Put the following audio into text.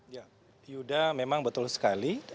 ya yuda memang betul sekali